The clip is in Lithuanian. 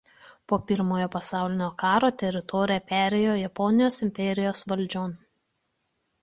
Po Pirmojo pasaulinio karo teritorija perėjo Japonijos imperijos valdžion.